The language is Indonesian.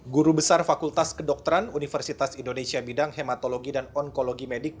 guru besar fakultas kedokteran universitas indonesia bidang hematologi dan onkologi medik